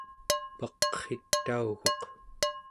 paqritauguq